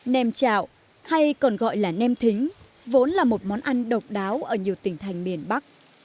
nem chạo hay còn gọi là nem thính vốn là một món ăn độc đáo ở nhiều tỉnh thành miền bắc